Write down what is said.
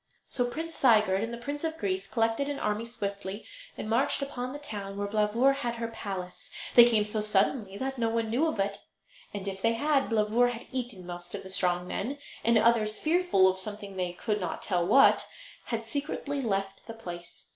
So Prince Sigurd and the Prince of Greece collected an army swiftly, and marched upon the town where Blauvor had her palace. They came so suddenly that no one knew of it, and if they had, Blauvor had eaten most of the strong men; and others, fearful of something they could not tell what, had secretly left the place.